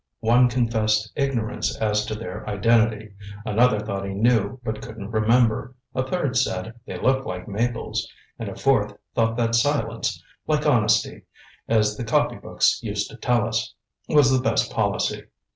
One confessed ignorance as to their identity; another thought he knew but couldn't remember; a third said they looked like maples; and a fourth thought that silence, like honesty, as the copybooks used to tell us, was the best policy.